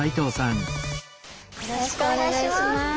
よろしくお願いします。